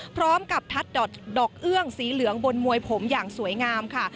พร้อมกับทัดดอกเอื้องสีเหลืองบนมวยผมอย่างสวยงามค่ะ